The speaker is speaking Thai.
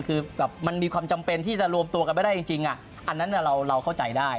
คือแบบมันมีความจำเป็นที่จะรวมตัวกันไม่ได้จริงอันนั้นเราเข้าใจได้